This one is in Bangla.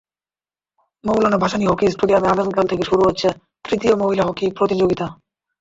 মওলানা ভাসানী হকি স্টেডিয়ামে আগামীকাল থেকে শুরু হচ্ছে তৃতীয় মহিলা হকি প্রতিযোগিতা।